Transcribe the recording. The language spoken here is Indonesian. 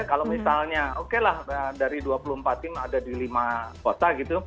kalau misalnya oke lah dari dua puluh empat tim ada di lima kota gitu